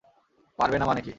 পারবে না মানে কী?